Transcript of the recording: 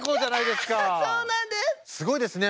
すごいですね。